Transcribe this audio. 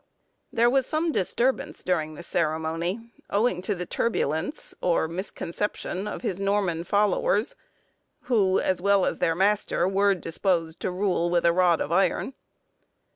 There was some disturbance during the ceremony, owing to the turbulence or misconception of his Norman followers, who, as well as their master, were disposed to rule with a rod of iron.